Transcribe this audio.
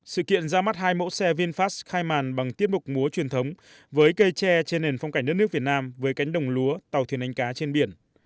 sự kiện ra mắt hai mẫu xe vinfast khai màn bằng tiết mục múa truyền thống với cây tre trên nền phong cảnh đất nước việt nam với cánh đồng lúa tàu thiền đánh cá trên biển